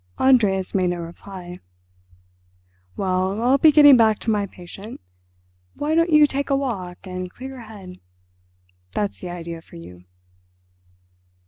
Andreas made no reply. "Well, I'll be getting back to my patient. Why don't you take a walk, and clear your head? That's the idea for you."